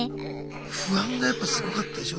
不安がやっぱすごかったでしょ